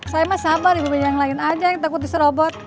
saya mah sabar ibu yang lain aja yang takut diserobot